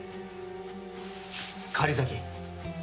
狩崎。